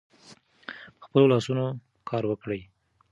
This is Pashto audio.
په خپلو لاسونو کار وکړئ.